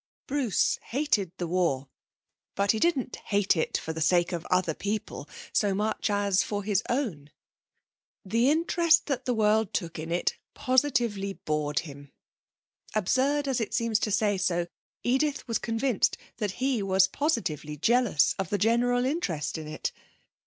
Bruce hated the war; but he didn't hate it for the sake of other people so much as for his own. The interest that the world took in it positively bored him absurd as it seems to say so, Edith was convinced that he was positively jealous of the general interest in it!